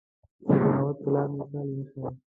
د بغاوت پر لار مي پل يښی